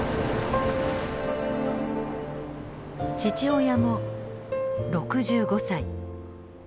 父親も６５歳。